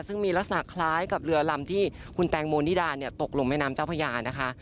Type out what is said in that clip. ซึ่งมีลักษณะคล้ายกับเรือลำที่คุณแตงโมนิดาตกลงแม่น้ำเจ้าพญานะคะ